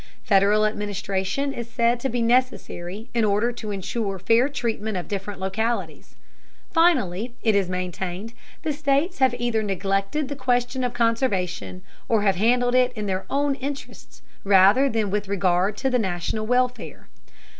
Federal administration is said to be necessary in order to insure fair treatment of different localities. Finally, it is maintained, the states have either neglected the question of conservation, or have handled it in their own interests rather than with regard to the national welfare.